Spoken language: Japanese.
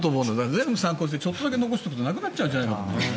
全部散骨してちょっとだけ残しておくとなくなっちゃうんじゃないかなって。